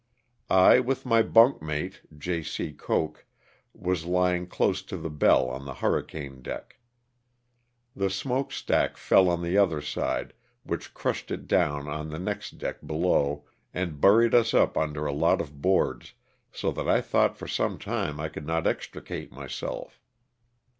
I, with my bunk mate, J. C. Coak, was lying close to the bell on the hurricane deck. The smoke stack fell on the other side, which crushed it down on the next deck below and buried us up under a lot of boards so that I thought for some time I could not extricate myself.